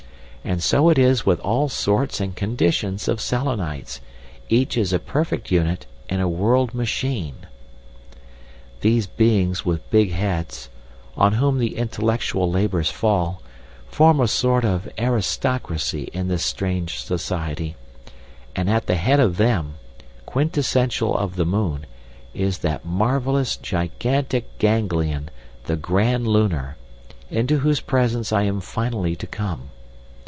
And so it is with all sorts and conditions of Selenites—each is a perfect unit in a world machine.... "These beings with big heads, on whom the intellectual labours fall, form a sort of aristocracy in this strange society, and at the head of them, quintessential of the moon, is that marvellous gigantic ganglion the Grand Lunar, into whose presence I am finally to come.